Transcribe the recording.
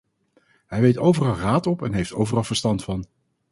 hij weet overal raad op en heeft overal verstand van.